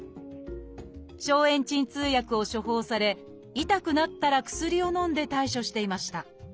消炎鎮痛薬を処方され痛くなったら薬をのんで対処していました。